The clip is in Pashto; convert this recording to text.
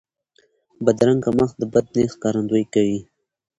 بدرنګه مخ د بد نیت ښکارندویي کوي